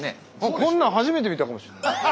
こんなん初めて見たかもしんない。